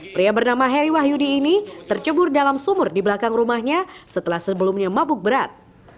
pria bernama heri wahyudi ini tercebur dalam sumur di belakang rumahnya setelah sebelumnya mabuk berat